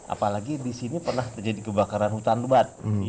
apalagi disini pernah terjadi kebakaran hutan lebat